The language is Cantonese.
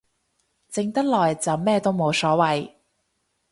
靜得耐就咩都冇所謂